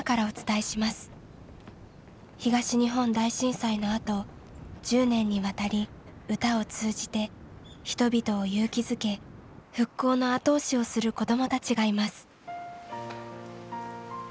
東日本大震災のあと１０年にわたり歌を通じて人々を勇気づけ復興の後押しをする子どもたちがいます。